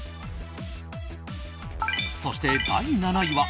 そして、第７位は。